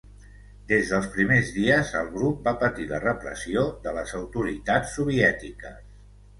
Des dels primers dies el grup va patir la repressió de les autoritats soviètiques.